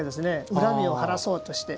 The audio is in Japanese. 恨みを晴らそうとして。